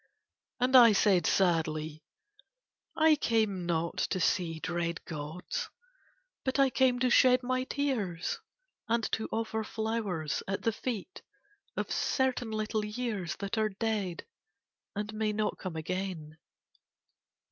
And I said sadly: "I came not to see dread gods, but I came to shed my tears and to offer flowers at the feet of certain little years that are dead and may not come again."